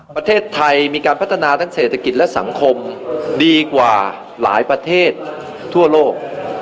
ประเทศไทยมีการพัฒนาทั้งเศรษฐกิจและสังคมดีกว่าหลายประเทศทั่วโลก